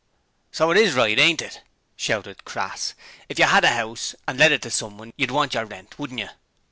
'So it IS right, ain't it?' shouted Crass. 'If you 'ad a 'ouse and let it to someone, you'd want your rent, wouldn't yer?'